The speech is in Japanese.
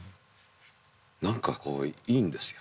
何かこういいんですよ。